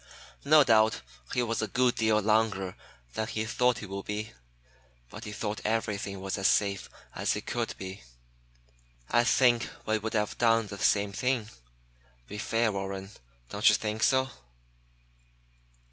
No doubt he was a good deal longer than he thought he would be, but he thought everything was as safe as it could be. I think we would have done the same thing. Be fair, Warren. Don't you think so?"